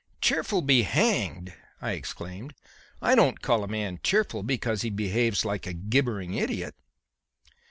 "Cheerful be hanged!" I exclaimed. "I don't call a man cheerful because he behaves like a gibbering idiot."